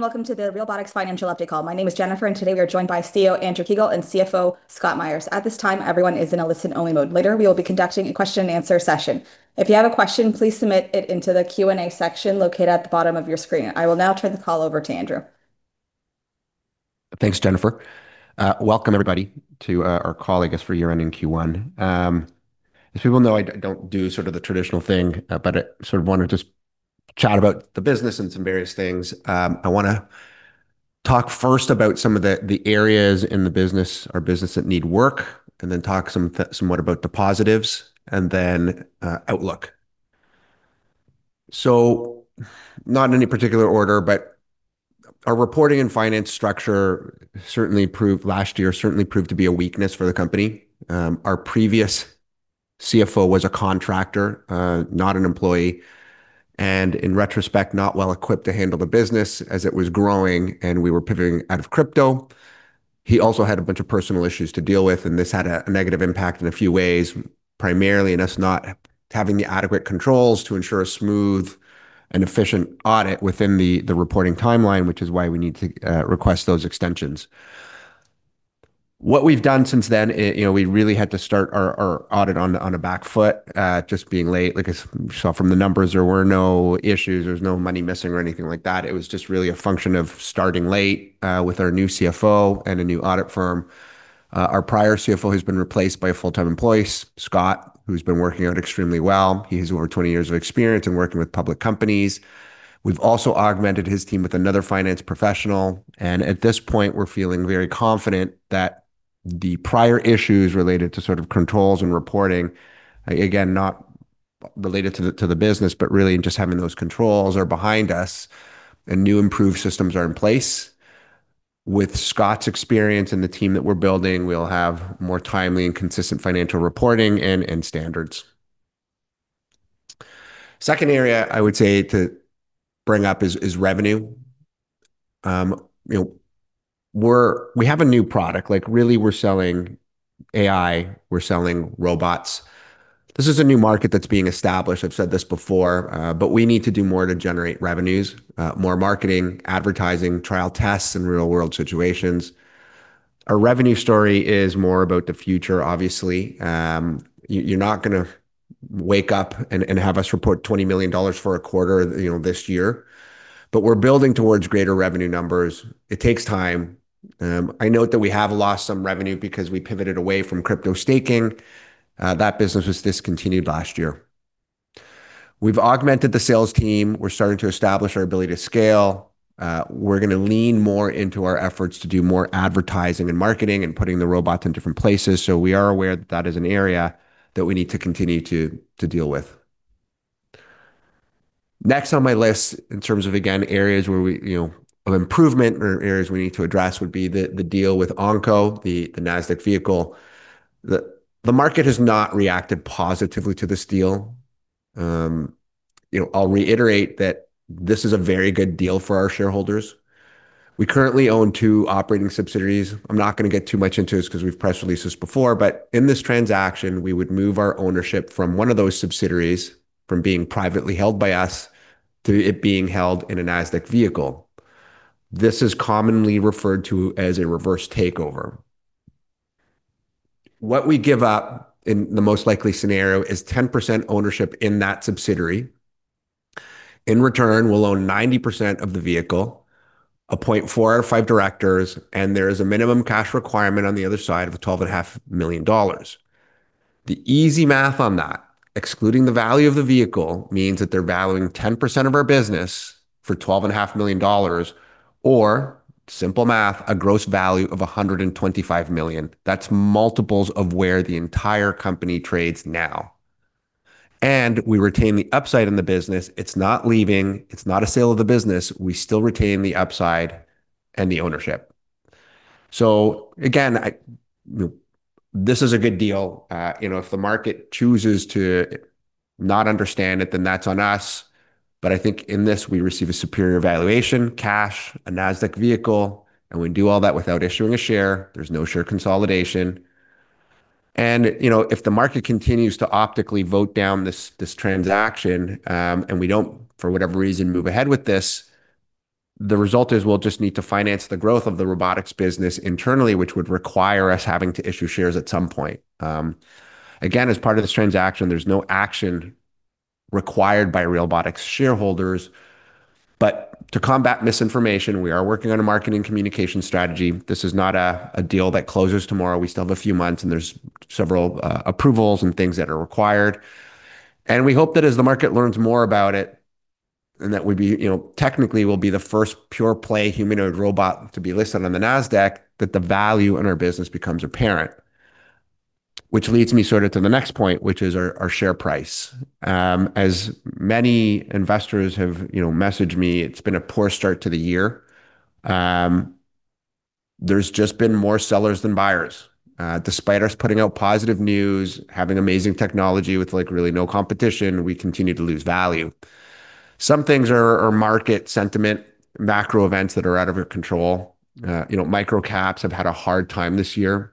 Hello and welcome to the Realbotix Financial Update call. My name is Jennifer, and today we are joined by CEO Andrew Kiguel and CFO Scott Meyers. At this time, everyone is in a listen-only mode. Later, we will be conducting a question and answer session. If you have a question, please submit it into the Q&A section located at the bottom of your screen. I will now turn the call over to Andrew. Thanks, Jennifer. Welcome everybody to our call, I guess, for year-ending Q1. As people know, I don't do sort of the traditional thing, but I sort of wanna just chat about the business and some various things. I wanna talk first about some of the areas in the business that need work and then talk somewhat about the positives and then outlook. Not in any particular order, but our reporting and finance structure certainly proved last year to be a weakness for the company. Our previous CFO was a contractor, not an employee, and in retrospect, not well equipped to handle the business as it was growing and we were pivoting out of crypto. He also had a bunch of personal issues to deal with, and this had a negative impact in a few ways, primarily in us not having the adequate controls to ensure a smooth and efficient audit within the reporting timeline, which is why we need to request those extensions. What we've done since then, you know, we really had to start our audit on a back foot, just being late. Like as you saw from the numbers, there were no issues. There was no money missing or anything like that. It was just really a function of starting late, with our new CFO and a new audit firm. Our prior CFO has been replaced by a full-time employee, Scott, who's been working out extremely well. He has over 20 years of experience in working with public companies. We've also augmented his team with another finance professional, and at this point, we're feeling very confident that the prior issues related to sort of controls and reporting, again, not related to the business, but really in just having those controls are behind us and new improved systems are in place. With Scott's experience and the team that we're building, we'll have more timely and consistent financial reporting and standards. Second area I would say to bring up is revenue. You know, we have a new product. Like, really, we're selling AI, we're selling robots. This is a new market that's being established. I've said this before, but we need to do more to generate revenues, more marketing, advertising, trial tests in real world situations. Our revenue story is more about the future, obviously. You're not gonna wake up and have us report $20 million for a quarter, you know, this year. We're building towards greater revenue numbers. It takes time. I note that we have lost some revenue because we pivoted away from crypto staking. That business was discontinued last year. We've augmented the sales team. We're starting to establish our ability to scale. We're gonna lean more into our efforts to do more advertising and marketing and putting the robots in different places, so we are aware that that is an area that we need to continue to deal with. Next on my list in terms of, again, areas where we, you know, of improvement or areas we need to address would be the deal with Onconetix, the Nasdaq vehicle. The market has not reacted positively to this deal. You know, I'll reiterate that this is a very good deal for our shareholders. We currently own two operating subsidiaries. I'm not gonna get too much into this 'cause we've press releases before, but in this transaction, we would move our ownership from one of those subsidiaries from being privately held by us to it being held in a Nasdaq vehicle. This is commonly referred to as a reverse takeover. What we give up in the most likely scenario is 10% ownership in that subsidiary. In return, we'll own 90% of the vehicle, appoint four out of five directors, and there is a minimum cash requirement on the other side of $12.5 million. The easy math on that, excluding the value of the vehicle, means that they're valuing 10% of our business for $12.5 million or, simple math, a gross value of $125 million. That's multiples of where the entire company trades now. We retain the upside in the business. It's not leaving. It's not a sale of the business. We still retain the upside and the ownership. This is a good deal. You know, if the market chooses to not understand it, then that's on us. I think in this, we receive a superior valuation, cash, a Nasdaq vehicle, and we do all that without issuing a share. There's no share consolidation. You know, if the market continues to optically vote down this transaction, and we don't, for whatever reason, move ahead with this, the result is we'll just need to finance the growth of the robotics business internally, which would require us having to issue shares at some point. Again, as part of this transaction, there's no action required by Realbotix shareholders. But to combat misinformation, we are working on a marketing communication strategy. This is not a deal that closes tomorrow. We still have a few months, and there's several approvals and things that are required. We hope that as the market learns more about it, and that we'll be, you know, technically will be the first pure play humanoid robot to be listed on the Nasdaq, that the value in our business becomes apparent. Which leads me sort of to the next point, which is our share price. As many investors have, you know, messaged me, it's been a poor start to the year. There's just been more sellers than buyers. Despite us putting out positive news, having amazing technology with, like, really no competition, we continue to lose value. Some things are market sentiment, macro events that are out of our control. You know, micro caps have had a hard time this year.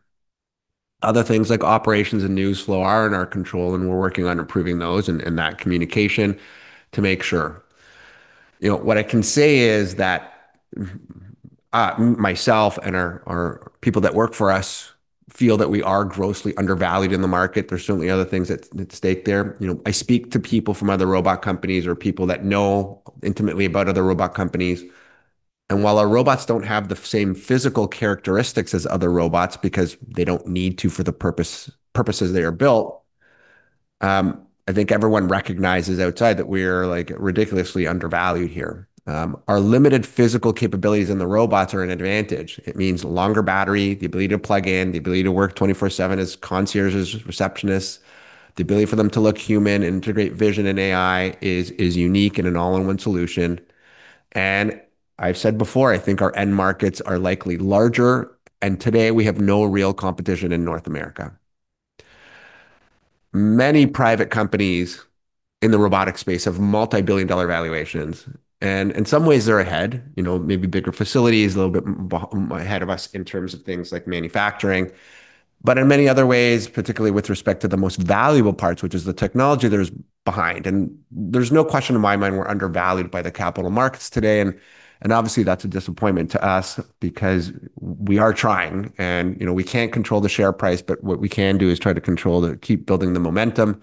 Other things like operations and news flow are in our control, and we're working on improving those and that communication to make sure. You know, what I can say is that myself and our people that work for us feel that we are grossly undervalued in the market. There's certainly other things at stake there. You know, I speak to people from other robot companies or people that know intimately about other robot companies, and while our robots don't have the same physical characteristics as other robots because they don't need to for the purposes they are built, I think everyone recognizes outside that we're, like, ridiculously undervalued here. Our limited physical capabilities in the robots are an advantage. It means longer battery, the ability to plug in, the ability to work 24/7 as concierges, receptionists, the ability for them to look human, integrate vision and AI is unique in an all-in-one solution. I've said before, I think our end markets are likely larger, and today we have no real competition in North America. Many private companies in the robotic space have multi-billion dollar valuations, and in some ways they're ahead, you know, maybe bigger facilities, a little bit ahead of us in terms of things like manufacturing. In many other ways, particularly with respect to the most valuable parts, which is the technology, they're just behind. There's no question in my mind we're undervalued by the capital markets today, and obviously that's a disappointment to us because we are trying. You know, we can't control the share price, but what we can do is try to control, keep building the momentum.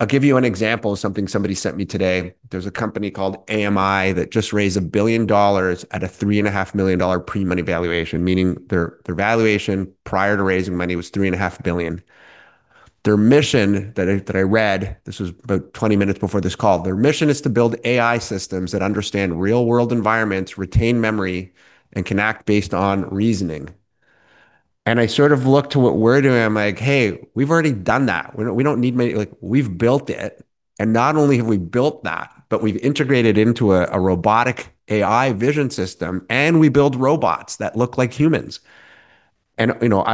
I'll give you an example of something somebody sent me today. There's a company called AMI that just raised $1 billion at a $3.5 million pre-money valuation, meaning their valuation prior to raising money was $3.5 billion. Their mission that I read, this was about 20 minutes before this call, their mission is to build AI systems that understand real world environments, retain memory, and can act based on reasoning. I sort of look to what we're doing, I'm like, "Hey, we've already done that. Like we've built it, and not only have we built that, but we've integrated into a robotic AI vision system, and we build robots that look like humans." You know,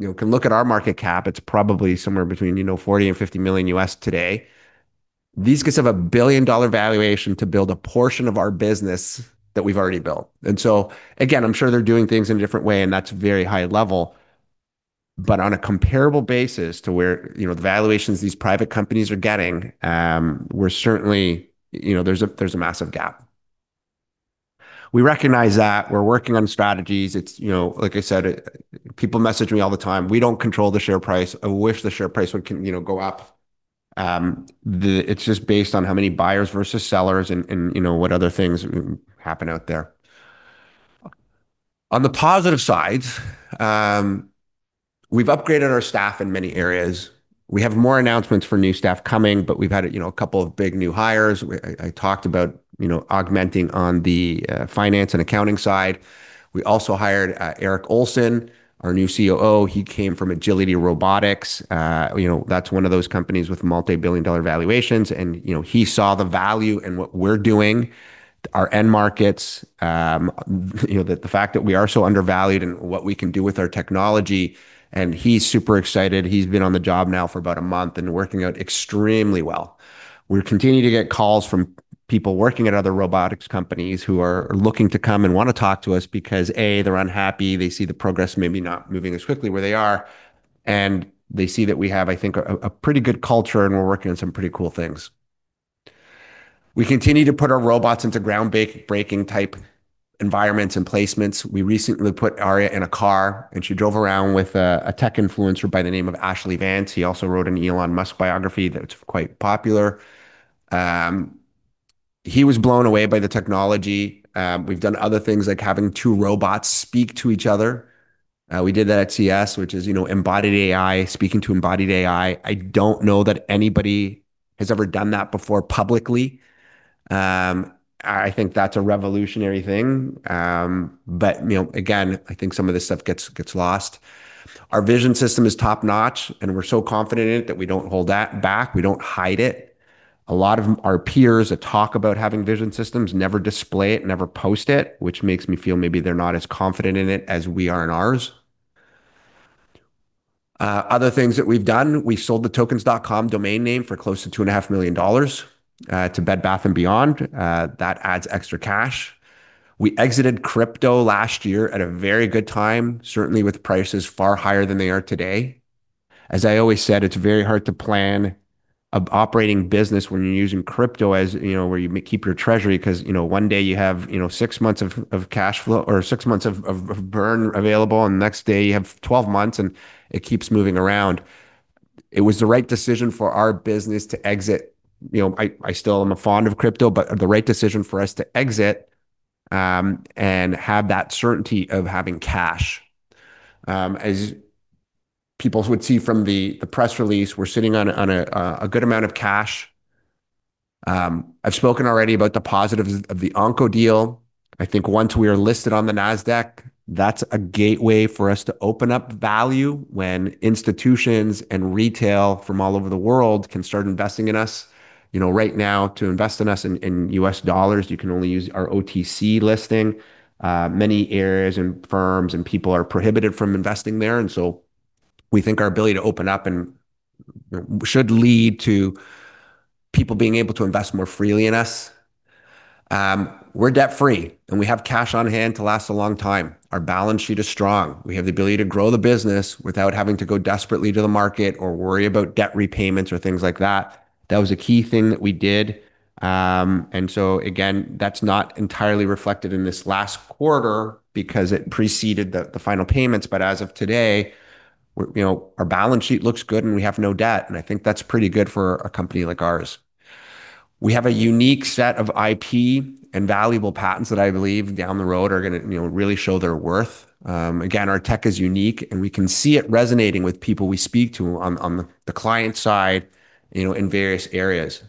I can look at our market cap, it's probably somewhere between $40 million-$50 million today. These guys have a $1 billion valuation to build a portion of our business that we've already built. I'm sure they're doing things in a different way, and that's very high level. On a comparable basis to where, you know, the valuations these private companies are getting, we're certainly you know, there's a massive gap. We recognize that. We're working on strategies. It's, you know, like I said, people message me all the time. We don't control the share price. I wish the share price would you know, go up. It's just based on how many buyers versus sellers and, you know, what other things happen out there. On the positive sides, we've upgraded our staff in many areas. We have more announcements for new staff coming, but we've had a, you know, a couple of big new hires. I talked about, you know, augmenting on the, finance and accounting side. We also hired, Eric Olsen, our new COO. He came from Agility Robotics. You know, that's one of those companies with multi-billion-dollar valuations and, you know, he saw the value in what we're doing, our end markets, you know, the fact that we are so undervalued and what we can do with our technology, and he's super excited. He's been on the job now for about a month and working out extremely well. We continue to get calls from people working at other robotics companies who are looking to come and wanna talk to us because, A, they're unhappy, they see the progress maybe not moving as quickly where they are, and they see that we have, I think, a pretty good culture, and we're working on some pretty cool things. We continue to put our robots into groundbreaking type environments and placements. We recently put Aria in a car, and she drove around with a tech influencer by the name of Ashlee Vance. He also wrote an Elon Musk biography that's quite popular. He was blown away by the technology. We've done other things like having two robots speak to each other. We did that at CES, which is, you know, embodied AI speaking to embodied AI. I don't know that anybody has ever done that before publicly. I think that's a revolutionary thing. You know, again, I think some of this stuff gets lost. Our vision system is top-notch, and we're so confident in it that we don't hold that back. We don't hide it. A lot of our peers that talk about having vision systems never display it, never post it, which makes me feel maybe they're not as confident in it as we are in ours. Other things that we've done, we sold the Tokens.com domain name for close to $2.5 million to Bed Bath & Beyond. That adds extra cash. We exited crypto last year at a very good time, certainly with prices far higher than they are today. As I always said, it's very hard to plan a operating business when you're using crypto as, you know, where you keep your treasury, 'cause, you know, one day you have, you know, six months of cash flow or six months of burn available, and the next day you have twelve months, and it keeps moving around. It was the right decision for our business to exit. You know, I still am fond of crypto, but the right decision for us to exit and have that certainty of having cash. As people would see from the press release, we're sitting on a good amount of cash. I've spoken already about the positives of the Onconetix deal. I think once we are listed on the Nasdaq, that's a gateway for us to open up value when institutions and retail from all over the world can start investing in us. You know, right now to invest in us in US dollars, you can only use our OTC listing. Many areas and firms and people are prohibited from investing there. We think our ability to open up and should lead to people being able to invest more freely in us. We're debt-free, and we have cash on hand to last a long time. Our balance sheet is strong. We have the ability to grow the business without having to go desperately to the market or worry about debt repayments or things like that. That was a key thing that we did. Again, that's not entirely reflected in this last quarter because it preceded the final payments. As of today, you know, our balance sheet looks good, and we have no debt, and I think that's pretty good for a company like ours. We have a unique set of IP and valuable patents that I believe down the road are gonna, you know, really show their worth. Again, our tech is unique, and we can see it resonating with people we speak to on the client side, you know, in various areas.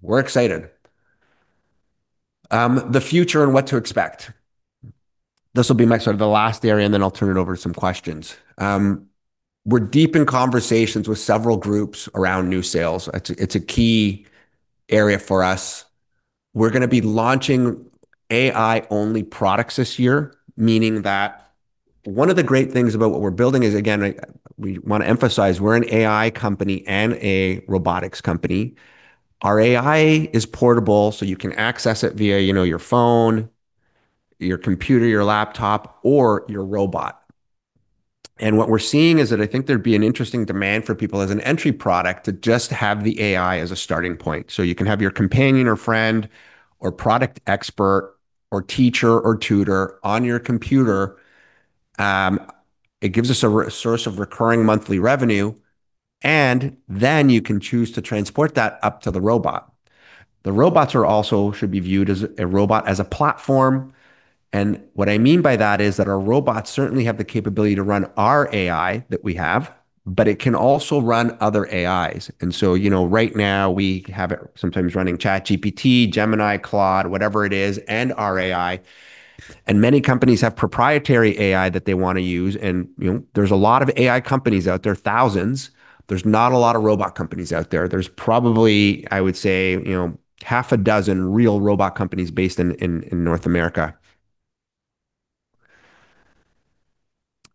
We're excited. The future and what to expect. This will be my sort of the last area, and then I'll turn it over to some questions. We're deep in conversations with several groups around new sales. It's a key area for us. We're gonna be launching AI-only products this year, meaning that one of the great things about what we're building is, again, we wanna emphasize we're an AI company and a robotics company. Our AI is portable, so you can access it via, you know, your phone, your computer, your laptop, or your robot. What we're seeing is that I think there'd be an interesting demand for people as an entry product to just have the AI as a starting point. You can have your companion or friend or product expert or teacher or tutor on your computer. It gives us a resource of recurring monthly revenue, and then you can choose to transport that up to the robot. The robots are also should be viewed as a robot as a platform, and what I mean by that is that our robots certainly have the capability to run our AI that we have, but it can also run other AIs. You know, right now we have it sometimes running ChatGPT, Gemini, Claude, whatever it is, and our AI. Many companies have proprietary AI that they wanna use, and, you know, there's a lot of AI companies out there, thousands. There's not a lot of robot companies out there. There's probably, I would say, you know, half a dozen real robot companies based in North America.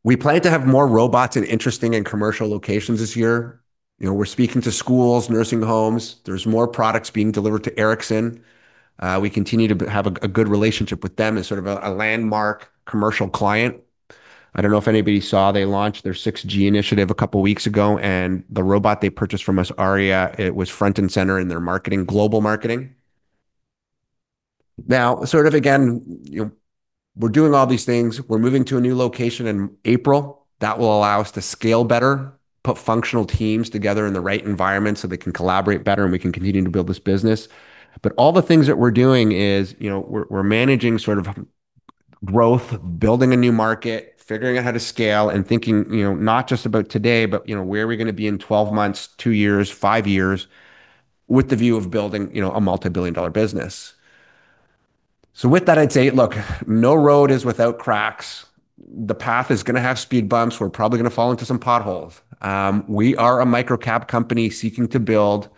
We plan to have more robots in interesting and commercial locations this year. You know, we're speaking to schools, nursing homes. There's more products being delivered to Ericsson. We continue to have a good relationship with them as sort of a landmark commercial client. I don't know if anybody saw, they launched their 6G initiative a couple weeks ago, and the robot they purchased from us, Aria, it was front and center in their marketing, global marketing. Now, sort of again, you know, we're doing all these things. We're moving to a new location in April. That will allow us to scale better, put functional teams together in the right environment so they can collaborate better, and we can continue to build this business. All the things that we're doing is, you know, we're managing sort of growth, building a new market, figuring out how to scale, and thinking, you know, not just about today, but, you know, where are we gonna be in 12 months, two years, five years with the view of building, you know, a multi-billion dollar business. With that, I'd say, look, no road is without cracks. The path is gonna have speed bumps. We're probably gonna fall into some potholes. We are a micro-cap company seeking to build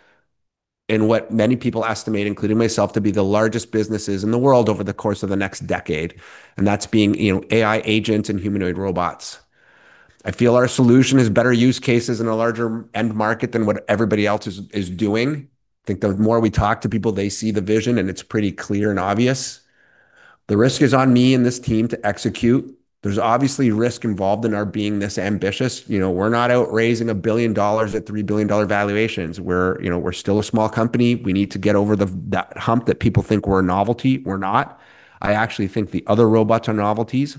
in what many people estimate, including myself, to be the largest businesses in the world over the course of the next decade, and that's being, you know, AI agent and humanoid robots. I feel our solution is better use cases in a larger end market than what everybody else is doing. I think the more we talk to people, they see the vision, and it's pretty clear and obvious. The risk is on me and this team to execute. There's obviously risk involved in our being this ambitious. You know, we're not out raising $1 billion at $3 billion-dollar valuations. You know, we're still a small company. We need to get over that hump that people think we're a novelty. We're not. I actually think the other robots are novelties.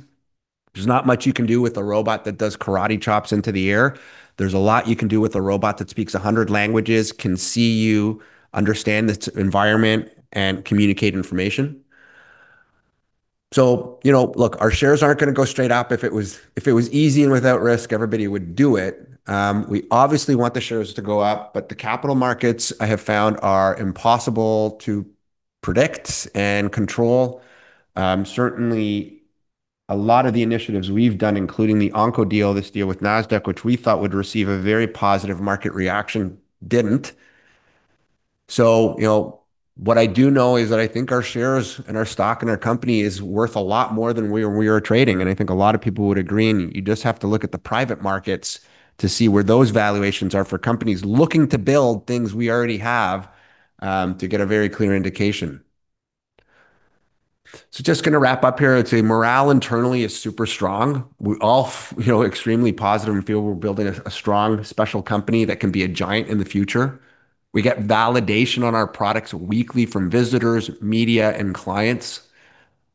There's not much you can do with a robot that does karate chops into the air. There's a lot you can do with a robot that speaks 100 languages, can see you, understand its environment, and communicate information. You know, look, our shares aren't gonna go straight up. If it was easy and without risk, everybody would do it. We obviously want the shares to go up, but the capital markets I have found are impossible to predict and control. Certainly a lot of the initiatives we've done, including the Onconetix deal, this deal with Nasdaq, which we thought would receive a very positive market reaction, didn't. You know, what I do know is that I think our shares and our stock and our company is worth a lot more than we are trading. I think a lot of people would agree, and you just have to look at the private markets to see where those valuations are for companies looking to build things we already have, to get a very clear indication. Just gonna wrap up here. I'd say morale internally is super strong. We're all you know, extremely positive and feel we're building a strong special company that can be a giant in the future. We get validation on our products weekly from visitors, media, and clients.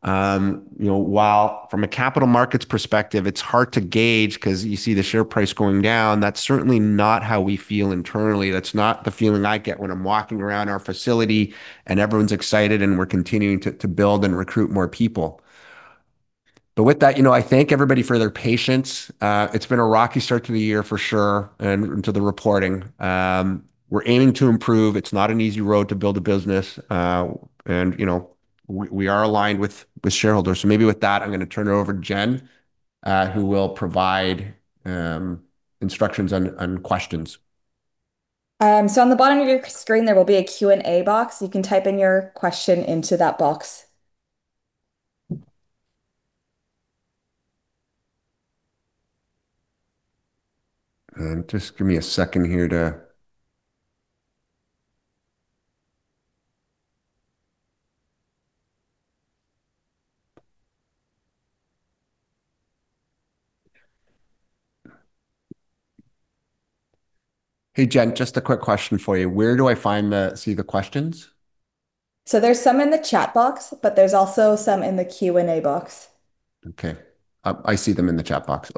You know, while from a capital markets perspective, it's hard to gauge 'cause you see the share price going down, that's certainly not how we feel internally. That's not the feeling I get when I'm walking around our facility, and everyone's excited, and we're continuing to build and recruit more people. With that, you know, I thank everybody for their patience. It's been a rocky start to the year for sure and to the reporting. We're aiming to improve. It's not an easy road to build a business. You know, we are aligned with shareholders. Maybe with that, I'm gonna turn it over to Jennifer, who will provide instructions on questions. On the bottom of your screen, there will be a Q&A box. You can type in your question into that box. Just give me a second here. Hey, Jen, just a quick question for you. Where do I find the questions? There's some in the chat box, but there's also some in the Q&A box. I see them in the chat box.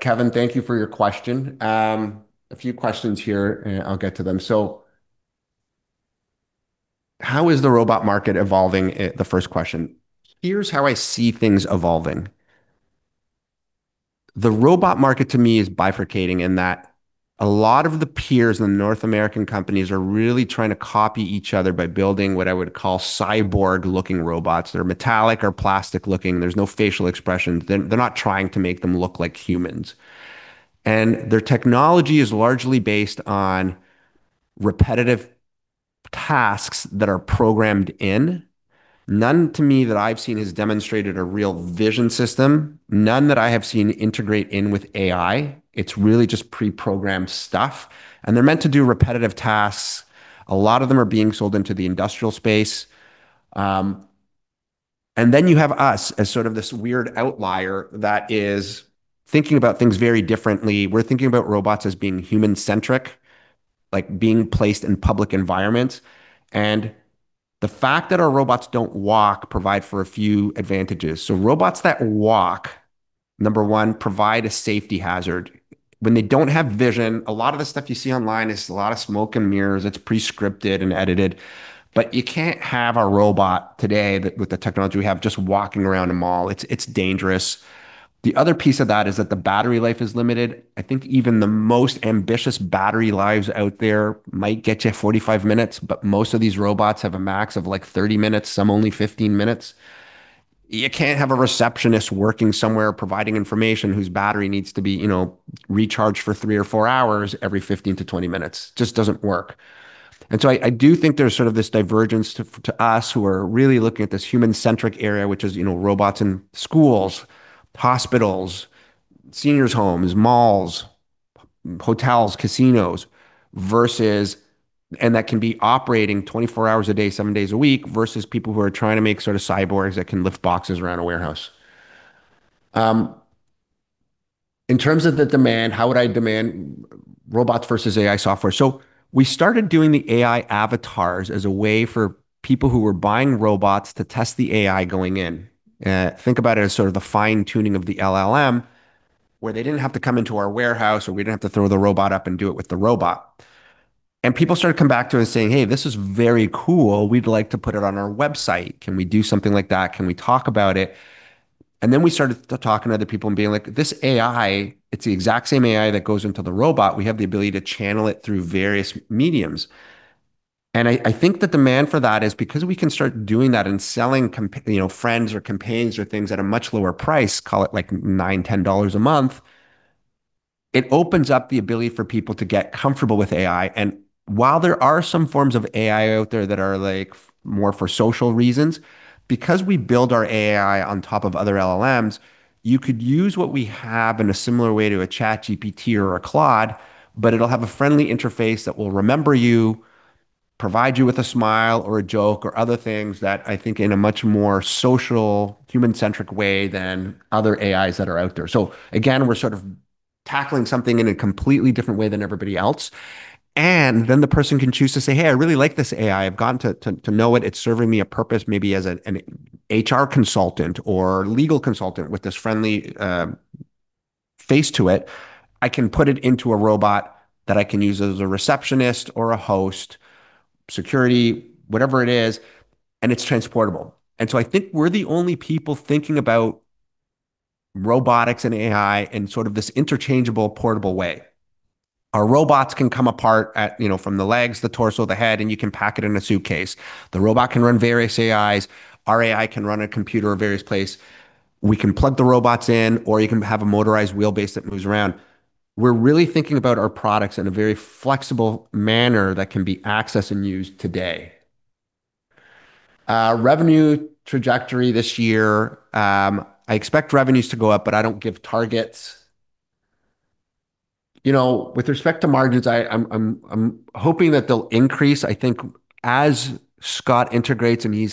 Kevin, thank you for your question. A few questions here, and I'll get to them. How is the robot market evolving? The first question. Here's how I see things evolving. The robot market to me is bifurcating in that a lot of the peers in North American companies are really trying to copy each other by building what I would call cyborg-looking robots. They're metallic or plastic-looking. There's no facial expressions. They're not trying to make them look like humans. Their technology is largely based on repetitive tasks that are programmed in. None to me that I've seen has demonstrated a real vision system, none that I have seen integrate in with AI. It's really just preprogrammed stuff, and they're meant to do repetitive tasks. A lot of them are being sold into the industrial space. Then you have us as sort of this weird outlier that is thinking about things very differently. We're thinking about robots as being human-centric, like being placed in public environments. The fact that our robots don't walk provide for a few advantages. Robots that walk, number one, provide a safety hazard. When they don't have vision, a lot of the stuff you see online is a lot of smoke and mirrors. It's pre-scripted and edited. You can't have a robot today with the technology we have just walking around a mall. It's dangerous. The other piece of that is that the battery life is limited. I think even the most ambitious battery lives out there might get you 45 minutes, but most of these robots have a max of like 30 minutes, some only 15 minutes. You can't have a receptionist working somewhere providing information whose battery needs to be, you know, recharged for three or four hours every 15-20 minutes. Just doesn't work. I do think there's sort of this divergence to us who are really looking at this human-centric area, which is, you know, robots in schools, hospitals, seniors homes, malls, hotels, casinos, versus that can be operating 24 hours a day, seven days a week, versus people who are trying to make sort of cyborgs that can lift boxes around a warehouse. In terms of the demand, how would I demand robots versus AI software? We started doing the AI avatars as a way for people who were buying robots to test the AI going in. Think about it as sort of the fine-tuning of the LLM, where they didn't have to come into our warehouse, or we didn't have to throw the robot up and do it with the robot. People started to come back to us saying, "Hey, this is very cool. We'd like to put it on our website. Can we do something like that? Can we talk about it?" We started talking to other people and being like, "This AI, it's the exact same AI that goes into the robot. We have the ability to channel it through various media." I think the demand for that is because we can start doing that and selling you know, friends or companions or things at a much lower price, call it like $9-$10 a month, it opens up the ability for people to get comfortable with AI. While there are some forms of AI out there that are like more for social reasons. Because we build our AI on top of other LLMs, you could use what we have in a similar way to a ChatGPT or a Claude, but it'll have a friendly interface that will remember you, provide you with a smile or a joke or other things that I think in a much more social human-centric way than other AIs that are out there. Again, we're sort of tackling something in a completely different way than everybody else. Then the person can choose to say, "Hey, I really like this AI. I've gotten to know it. It's serving me a purpose, maybe as an HR consultant or legal consultant with this friendly face to it. I can put it into a robot that I can use as a receptionist or a host, security, whatever it is, and it's transportable." I think we're the only people thinking about robotics and AI in sort of this interchangeable, portable way. Our robots can come apart at from the legs, the torso, the head, and you can pack it in a suitcase. The robot can run various AIs. Our AI can run a computer or various place. We can plug the robots in, or you can have a motorized wheelbase that moves around. We're really thinking about our products in a very flexible manner that can be accessed and used today. Revenue trajectory this year, I expect revenues to go up, but I don't give targets. You know, with respect to margins, I'm hoping that they'll increase. I think as Scott integrates, I mean,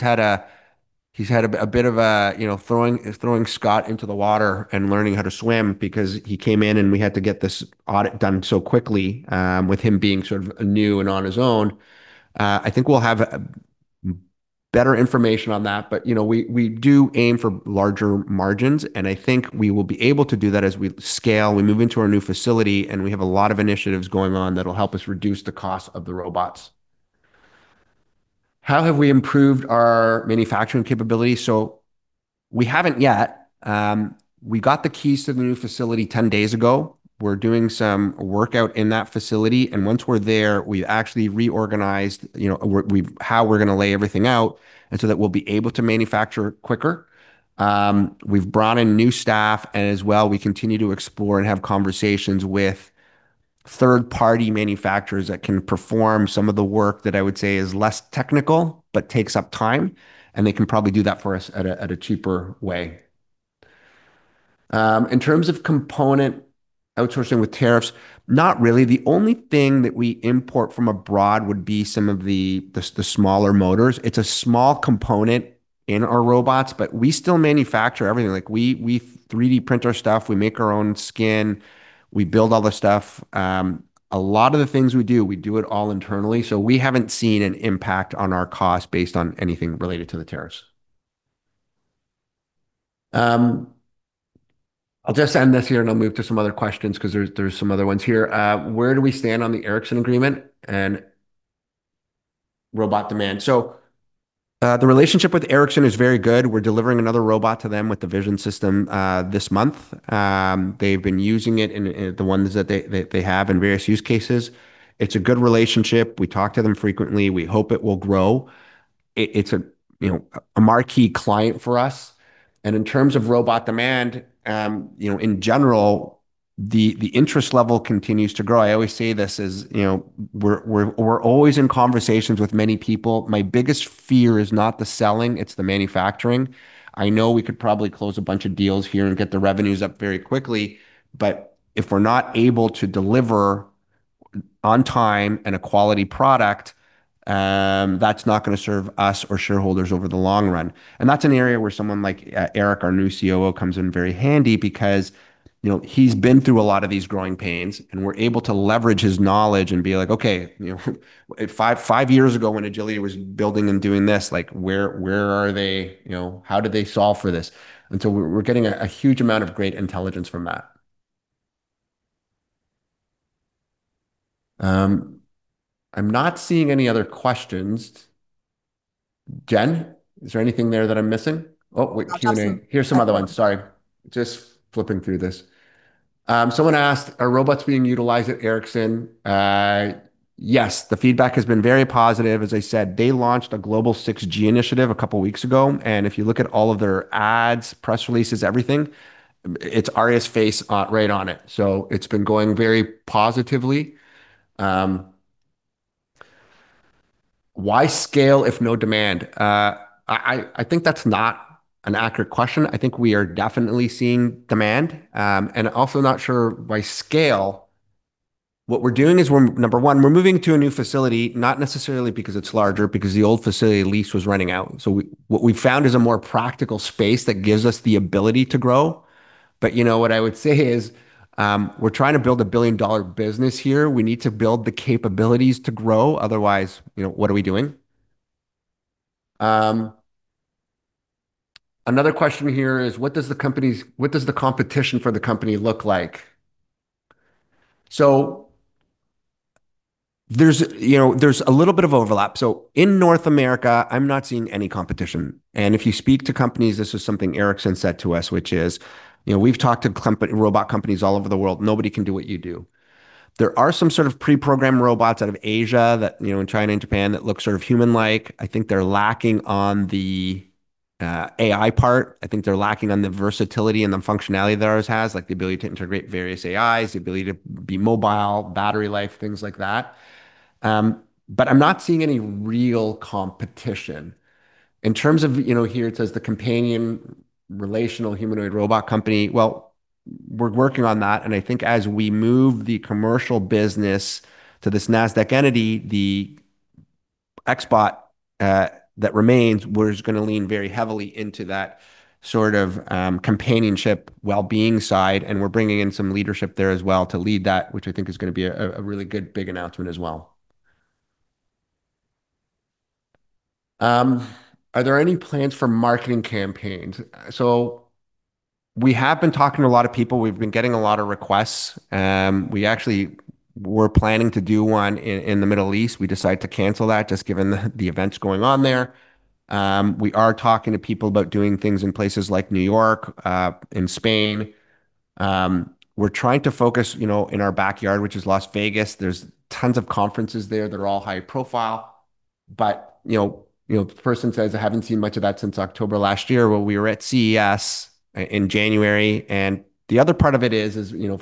he's had a bit of a, you know, throwing Scott into the water and learning how to swim because he came in, and we had to get this audit done so quickly, with him being sort of new and on his own. I think we'll have better information on that, but you know, we do aim for larger margins, and I think we will be able to do that as we scale. We move into our new facility, and we have a lot of initiatives going on that'll help us reduce the cost of the robots. How have we improved our manufacturing capability? We haven't yet. We got the keys to the new facility 10 days ago. We're doing some work out in that facility, and once we're there, we've actually reorganized, you know, how we're gonna lay everything out and so that we'll be able to manufacture quicker. We've brought in new staff, and as well, we continue to explore and have conversations with third-party manufacturers that can perform some of the work that I would say is less technical but takes up time, and they can probably do that for us at a cheaper way. In terms of component outsourcing with tariffs, not really. The only thing that we import from abroad would be some of the smaller motors. It's a small component in our robots, but we still manufacture everything. Like, we 3D print our stuff, we make our own skin, we build all the stuff. A lot of the things we do, we do it all internally, so we haven't seen an impact on our cost based on anything related to the tariffs. I'll just end this here, and I'll move to some other questions 'cause there's some other ones here. Where do we stand on the Ericsson agreement and robot demand? The relationship with Ericsson is very good. We're delivering another robot to them with the vision system, this month. They've been using it in the ones that they have in various use cases. It's a good relationship. We talk to them frequently. We hope it will grow. It's a, you know, a marquee client for us. In terms of robot demand, you know, in general, the interest level continues to grow. I always say this is, you know, we're always in conversations with many people. My biggest fear is not the selling, it's the manufacturing. I know we could probably close a bunch of deals here and get the revenues up very quickly, but if we're not able to deliver on time and a quality product, that's not gonna serve us or shareholders over the long run. That's an area where someone like Eric, our new COO, comes in very handy because, you know, he's been through a lot of these growing pains, and we're able to leverage his knowledge and be like, "Okay, you know, if five years ago when Agility was building and doing this, like, where are they? You know, how did they solve for this?" We're getting a huge amount of great intelligence from that. I'm not seeing any other questions. Jen, is there anything there that I'm missing? Oh, wait. Q&A. Nothing. Here's some other ones, sorry. Just flipping through this. Someone asked, "Are robots being utilized at Ericsson?" Yes. The feedback has been very positive. As I said, they launched a global 6G initiative a couple weeks ago, and if you look at all of their ads, press releases, everything, it's Aria's face right on it. It's been going very positively. Why scale if no demand? I think that's not an accurate question. I think we are definitely seeing demand, and also not sure by scale. What we're doing is number one, we're moving to a new facility, not necessarily because it's larger, because the old facility lease was running out. What we found is a more practical space that gives us the ability to grow. You know, what I would say is, we're trying to build a billion-dollar business here. We need to build the capabilities to grow, otherwise, you know, what are we doing? Another question here is, what does the competition for the company look like? There's, you know, a little bit of overlap. In North America, I'm not seeing any competition. If you speak to companies, this is something Ericsson said to us, which is, you know, we've talked to robot companies all over the world, nobody can do what you do. There are some sort of preprogrammed robots out of Asia that, you know, in China and Japan, that look sort of human-like. I think they're lacking on the AI part. I think they're lacking on the versatility and the functionality that ours has, like the ability to integrate various AIs, the ability to be mobile, battery life, things like that. But I'm not seeing any real competition. In terms of, you know, here it says the companion relational humanoid robot company, well, we're working on that, and I think as we move the commercial business to this Nasdaq entity, the xBot, that remains, we're just gonna lean very heavily into that sort of, companionship, well-being side, and we're bringing in some leadership there as well to lead that, which I think is gonna be a really good big announcement as well. Are there any plans for marketing campaigns? We have been talking to a lot of people. We've been getting a lot of requests. We actually were planning to do one in the Middle East. We decided to cancel that just given the events going on there. We are talking to people about doing things in places like New York, in Spain. We're trying to focus, you know, in our backyard, which is Las Vegas. There's tons of conferences there that are all high profile. You know, the person says, "I haven't seen much of that since October last year." Well, we were at CES in January. The other part of it is, you know,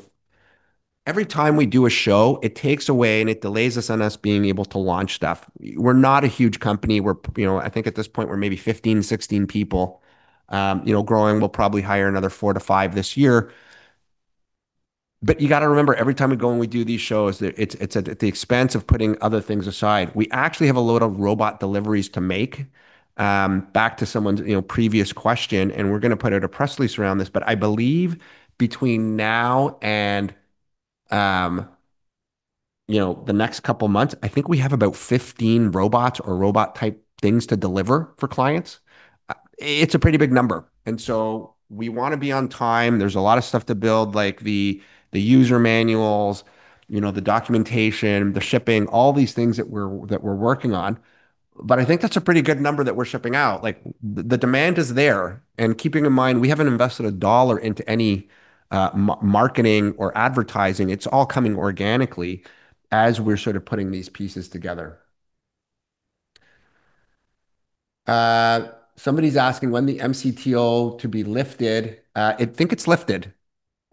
every time we do a show, it takes away and it delays us on us being able to launch stuff. We're not a huge company. You know, I think at this point, we're maybe 15, 16 people, growing. We'll probably hire another four to five this year. You gotta remember, every time we go and we do these shows, it's at the expense of putting other things aside. We actually have a load of robot deliveries to make, back to someone's, you know, previous question, and we're gonna put out a press release around this. I believe between now and, you know, the next couple months, I think we have about 15 robots or robot-type things to deliver for clients. It's a pretty big number. We wanna be on time. There's a lot of stuff to build, like the user manuals, you know, the documentation, the shipping, all these things that we're working on. I think that's a pretty good number that we're shipping out. Like, the demand is there, and keeping in mind, we haven't invested a dollar into any, marketing or advertising. It's all coming organically as we're sort of putting these pieces together. Somebody's asking when the MCTO to be lifted. I think it's lifted.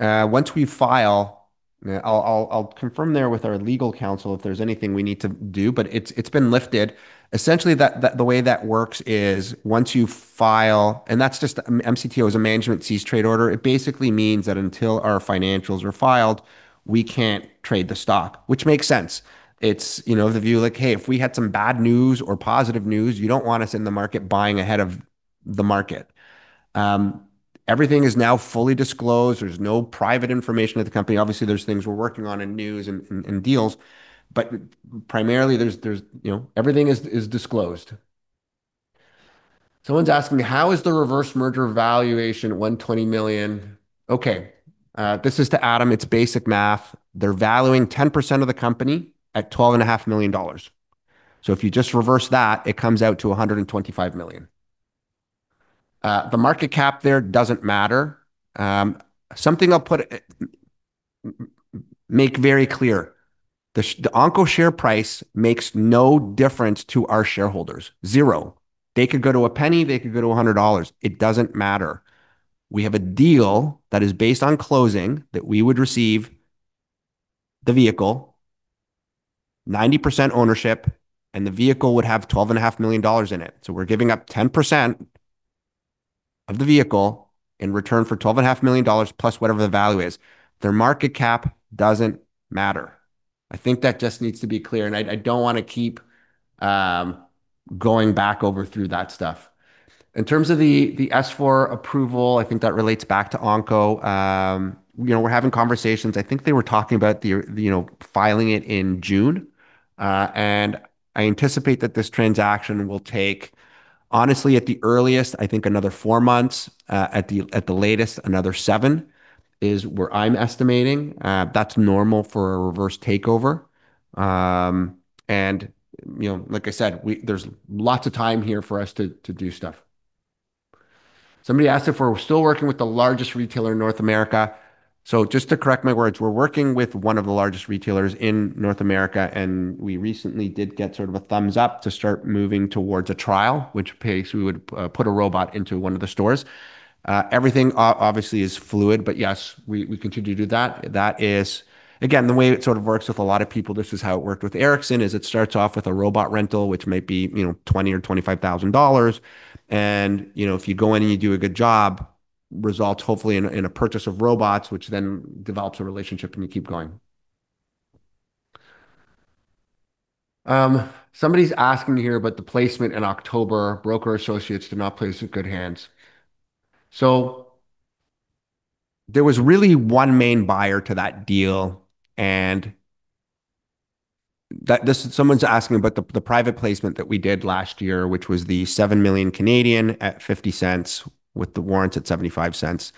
Once we file, I'll confirm there with our legal counsel if there's anything we need to do, but it's been lifted. Essentially, the way that works is once you file. MCTO is a management cease trade order. It basically means that until our financials are filed, we can't trade the stock, which makes sense. It's, you know, the view like, hey, if we had some bad news or positive news, you don't want us in the market buying ahead of the market. Everything is now fully disclosed. There's no private information of the company. Obviously, there's things we're working on in news and in deals, but primarily there's you know everything is disclosed. Someone's asking how is the reverse merger valuation $120 million? Okay. This is to Adam. It's basic math. They're valuing 10% of the company at $12.5 million. So if you just reverse that, it comes out to $125 million. The market cap there doesn't matter. Something I'll make very clear. The Onconetix share price makes no difference to our shareholders. Zero. They could go to a penny, they could go to $100. It doesn't matter. We have a deal that is based on closing that we would receive the vehicle, 90% ownership, and the vehicle would have $12.5 million in it. We're giving up 10% of the vehicle in return for $12.5 million plus whatever the value is. Their market cap doesn't matter. I think that just needs to be clear, and I don't wanna keep going back over that stuff. In terms of the S-4 approval, I think that relates back to Onconetix. You know, we're having conversations. I think they were talking about, you know, filing it in June, and I anticipate that this transaction will take, honestly, at the earliest, I think another four months, at the latest, another seven is where I'm estimating. That's normal for a reverse takeover. You know, like I said, there's lots of time here for us to do stuff. Somebody asked if we're still working with the largest retailer in North America. Just to correct my words, we're working with one of the largest retailers in North America, and we recently did get sort of a thumbs up to start moving towards a trial, which case we would put a robot into one of the stores. Everything obviously is fluid, but yes, we continue to do that. That is. Again, the way it sort of works with a lot of people, this is how it worked with Ericsson, is it starts off with a robot rental, which may be, you know, $20,000 or $25,000. You know, if you go in and you do a good job, results hopefully in a purchase of robots, which then develops a relationship, and you keep going. Somebody's asking here about the placement in October. Broker associates did not place in good hands. There was really one main buyer to that deal. Someone's asking about the private placement that we did last year, which was the 7 million at 50 cents with the warrants at 75 cents.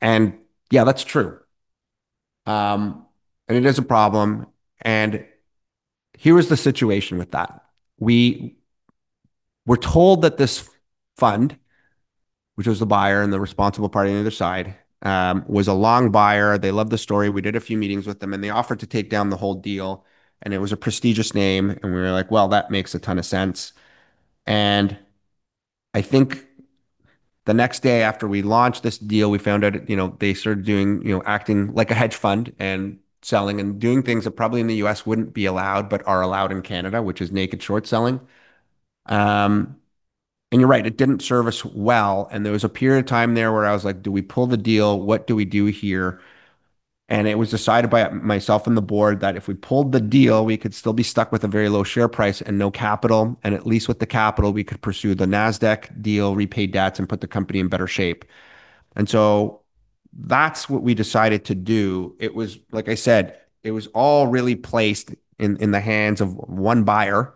Yeah, that's true. It is a problem. Here was the situation with that. We were told that this fund, which was the buyer and the responsible party on the other side, was a long buyer. They loved the story. We did a few meetings with them, and they offered to take down the whole deal, and it was a prestigious name. We were like, "Well, that makes a ton of sense." I think the next day after we launched this deal, we found out, you know, they started doing, you know, acting like a hedge fund and selling and doing things that probably in the U.S. wouldn't be allowed, but are allowed in Canada, which is naked short selling. You're right, it didn't serve us well. There was a period of time there where I was like, "Do we pull the deal? What do we do here?" It was decided by myself and the board that if we pulled the deal, we could still be stuck with a very low share price and no capital. At least with the capital, we could pursue the Nasdaq deal, repay debts, and put the company in better shape. That's what we decided to do. It was, like I said, it was all really placed in the hands of one buyer.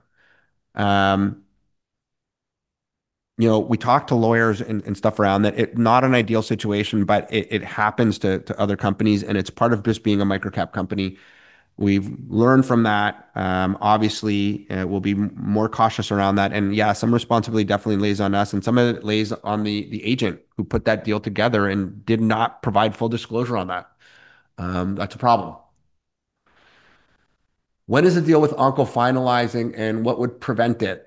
You know, we talked to lawyers and stuff around that. Not an ideal situation, but it happens to other companies, and it's part of just being a microcap company. We've learned from that. Obviously, we'll be more cautious around that. Yeah, some responsibility definitely lays on us and some of it lays on the agent who put that deal together and did not provide full disclosure on that. That's a problem. When is the deal with Onconetix finalizing, and what would prevent it?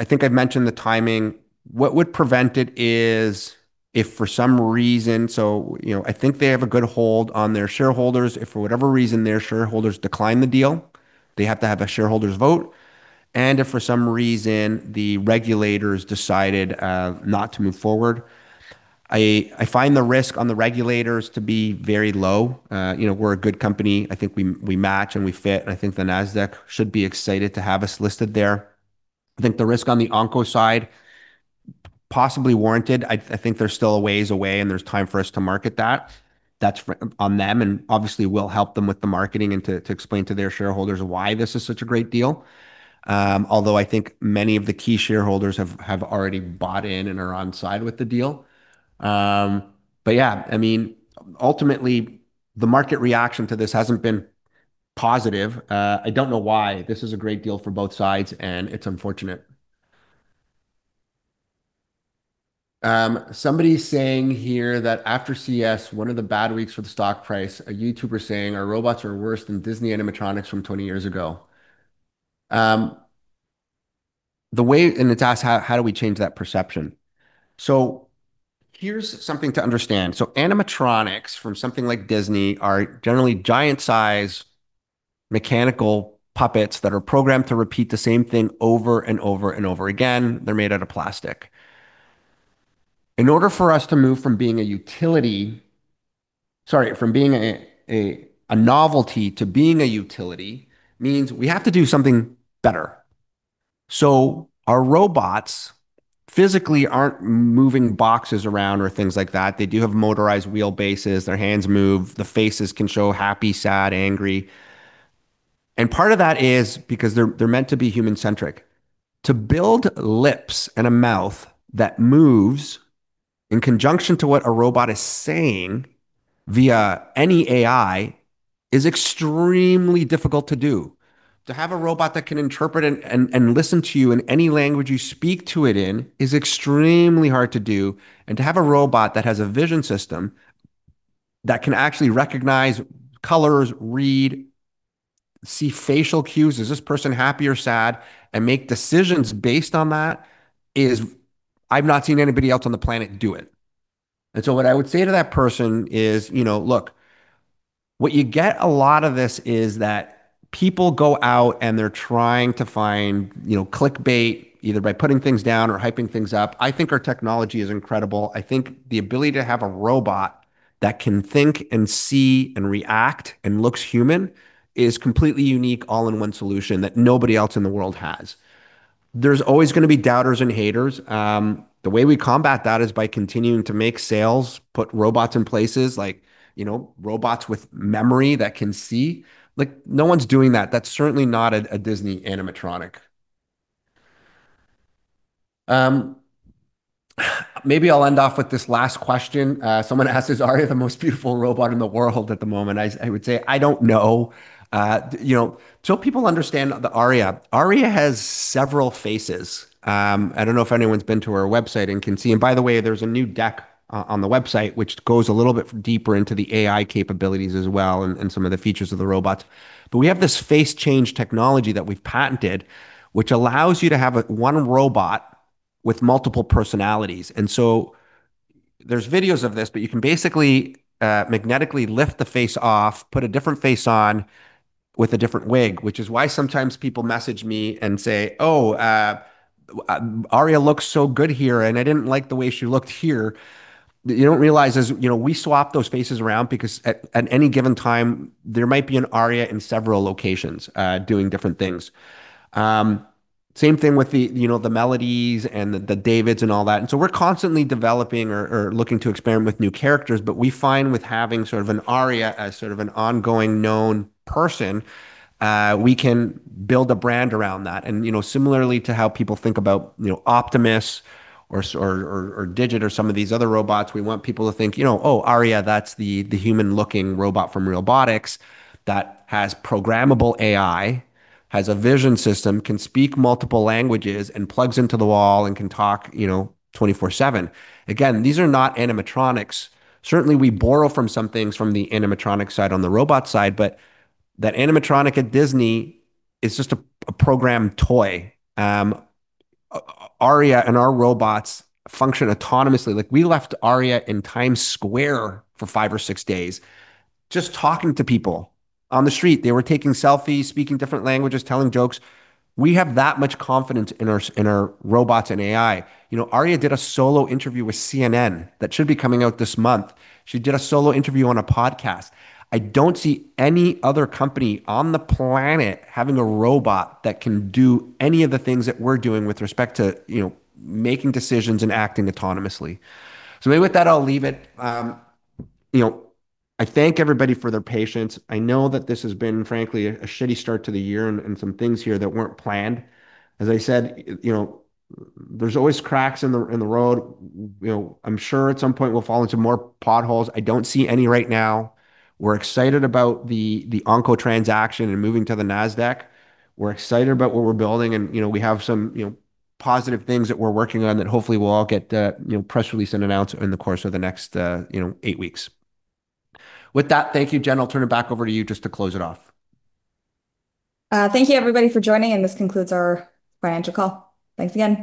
I think I've mentioned the timing. What would prevent it is if for some reason. You know, I think they have a good hold on their shareholders. If for whatever reason their shareholders decline the deal, they have to have a shareholders vote. If for some reason the regulators decided not to move forward. I find the risk on the regulators to be very low. You know, we're a good company. I think we match and we fit, and I think the Nasdaq should be excited to have us listed there. I think the risk on the Onconetix side, possibly warranted. I think they're still a ways away, and there's time for us to market that. That's on them, and obviously we'll help them with the marketing and to explain to their shareholders why this is such a great deal. Although I think many of the key shareholders have already bought in and are on side with the deal. Yeah, I mean, ultimately, the market reaction to this hasn't been positive. I don't know why. This is a great deal for both sides, and it's unfortunate. Somebody's saying here that after CES, one of the bad weeks for the stock price, a YouTuber saying our robots are worse than Disney animatronics from 20 years ago. And it's asked how do we change that perception? Here's something to understand. Animatronics from something like Disney are generally giant-sized mechanical puppets that are programmed to repeat the same thing over and over and over again. They're made out of plastic. In order for us to move from being a utility... Sorry, from being a novelty to being a utility means we have to do something better. Our robots physically aren't moving boxes around or things like that. They do have motorized wheelbases. Their hands move. The faces can show happy, sad, angry. Part of that is because they're meant to be human-centric. To build lips and a mouth that moves in conjunction to what a robot is saying via any AI is extremely difficult to do. To have a robot that can interpret and listen to you in any language you speak to it in is extremely hard to do. To have a robot that has a vision system that can actually recognize colors, read, see facial cues, is this person happy or sad, and make decisions based on that. I've not seen anybody else on the planet do it. What I would say to that person is, you know, look, what you get a lot of this is that people go out, and they're trying to find, you know, clickbait either by putting things down or hyping things up. I think our technology is incredible. I think the ability to have a robot that can think and see and react and looks human is completely unique all-in-one solution that nobody else in the world has. There's always gonna be doubters and haters. The way we combat that is by continuing to make sales, put robots in places like, you know, robots with memory that can see. Like, no one's doing that. That's certainly not a Disney animatronic. Maybe I'll end off with this last question. Someone asked, "Is Aria the most beautiful robot in the world at the moment?" I would say I don't know. You know, so people understand the Aria. Aria has several faces. I don't know if anyone's been to our website and can see. By the way, there's a new deck on the website which goes a little bit deeper into the AI capabilities as well and some of the features of the robots. We have this face change technology that we've patented which allows you to have, like, one robot with multiple personalities. There's videos of this, but you can basically magnetically lift the face off, put a different face on with a different wig, which is why sometimes people message me and say, "Oh, Aria looks so good here, and I didn't like the way she looked here." You don't realize this, you know, we swap those faces around because at any given time there might be an Aria in several locations doing different things. Same thing with the, you know, the Melodies and the Davids and all that. We're constantly developing or looking to experiment with new characters, but we find with having sort of an Aria as sort of an ongoing known person, we can build a brand around that. You know, similarly to how people think about, you know, Optimus or Digit or some of these other robots, we want people to think, you know, "Oh, Aria, that's the human-looking robot from Realbotix that has programmable AI, has a vision system, can speak multiple languages, and plugs into the wall and can talk, you know, 24/7." Again, these are not animatronics. Certainly, we borrow from some things from the animatronic side on the robot side, but that animatronic at Disney is just a programmed toy. Aria and our robots function autonomously. Like, we left Aria in Times Square for five or si days just talking to people on the street. They were taking selfies, speaking different languages, telling jokes. We have that much confidence in our robots and AI. You know, Aria did a solo interview with CNN that should be coming out this month. She did a solo interview on a podcast. I don't see any other company on the planet having a robot that can do any of the things that we're doing with respect to, you know, making decisions and acting autonomously. So maybe with that, I'll leave it. You know, I thank everybody for their patience. I know that this has been, frankly, a shity start to the year and some things here that weren't planned. As I said, you know, there's always cracks in the road. You know, I'm sure at some point we'll fall into more potholes. I don't see any right now. We're excited about the Onconetix transaction and moving to the Nasdaq. We're excited about what we're building, and, you know, we have some, you know, positive things that we're working on that hopefully will all get you know press release and announced in the course of the next you know eight weeks. With that, thank you. Jen, I'll turn it back over to you just to close it off. Thank you, everybody, for joining, and this concludes our financial call. Thanks again.